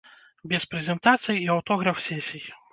Без прэзентацый і аўтограф-сесій.